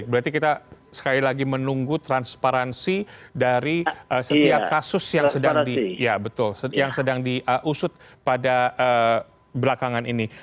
berarti kita sekali lagi menunggu transparansi dari setiap kasus yang sedang diusut pada belakangan ini